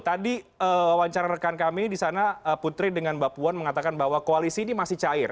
tadi wawancara rekan kami di sana putri dengan mbak puan mengatakan bahwa koalisi ini masih cair